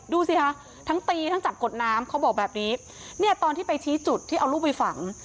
ดูสิคะทั้งตีทั้งจับกดน้ำเขาบอกแบบนี้เนี่ยตอนที่ไปชี้จุดที่เอาลูกไปฝัง